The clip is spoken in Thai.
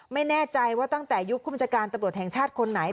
ไม่แน่ใจว่าตั้งแต่ยุคผู้บัญชาการตำรวจแห่งชาติคนไหน